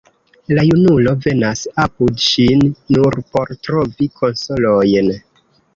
La junulo venas apud ŝin nur por trovi konsolojn.